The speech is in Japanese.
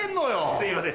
すいません。